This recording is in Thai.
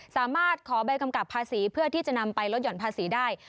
สามารถขอใบกำกับภาษีเพื่อที่จะนำไปลดห่อนภาษีได้